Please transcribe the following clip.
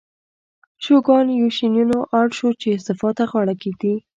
شوګان یوشینوبو اړ شو چې استعفا ته غاړه کېږدي.